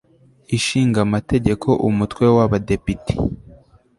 ishinga Amategeko Umutwe w Abadepite